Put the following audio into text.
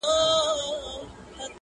انساني وجدان ګډوډ پاتې کيږي تل,